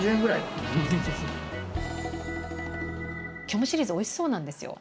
虚無シリーズおいしそうなんですよ。